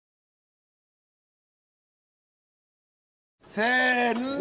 せの！